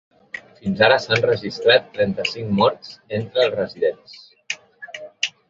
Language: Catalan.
Fins ara s’han registrat trenta-cinc morts entre els residents.